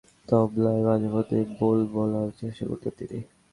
তাঁদের সঙ্গে সংগত করার জন্য তবলায় মাঝেমধ্যে বোল তোলার চেষ্টা করতেন তিনি।